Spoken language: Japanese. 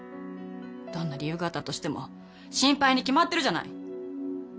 どんな理由があったとしても心配に決まってるじゃない。